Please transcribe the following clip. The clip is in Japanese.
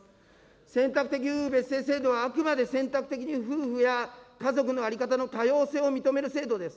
選択的夫婦別姓制度はあくまで選択的に夫婦や家族の在り方の多様性を認める制度です。